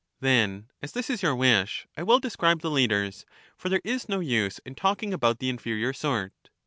Then, as this is your wish, I will describe the leaders ; for there is no use in talking about the inferior sort.